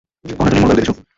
কখনও এত নির্মল বায়ু দেখেছ?